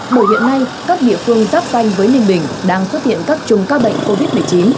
bởi hiện nay các địa phương giáp danh với ninh bình đang xuất hiện các chùm ca bệnh covid một mươi chín